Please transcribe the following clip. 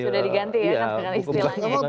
sudah diganti ya istilahnya